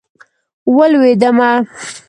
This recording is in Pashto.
ولوېدمه.